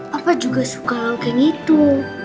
papa juga suka loking itu